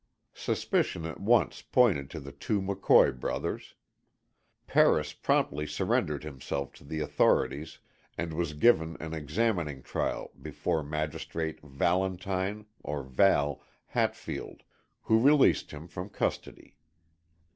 Suspicion at once pointed to the two McCoy brothers. Paris promptly surrendered himself to the authorities, and was given an examining trial before Magistrate Valentine (Val) Hatfield, who released him from custody.